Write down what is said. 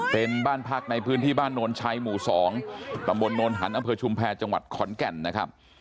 เป็นบ้านพักในพื้นที่บ้านโนนชัยหมู่๒ตำบลโนนหันอำเภอชุมแพรจังหวัดขอนแก่นนะครับ